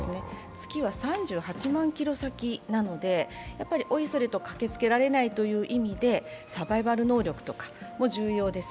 月は３８万キロ先なのでおいそれと駆けつけられないという意味でサバイバル能力も重要です。